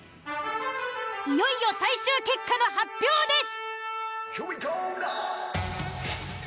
いよいよ最終結果の発表です。